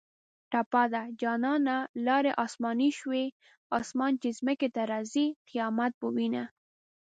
ټپه ده: جانانه لاړې اسماني شوې اسمان چې ځمکې ته راځۍ قیامت به وینه